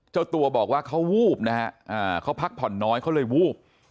เจ้าตัวบอกว่าเขาวูบนะฮะเขาพักผ่อนน้อยเขาเลยวูบ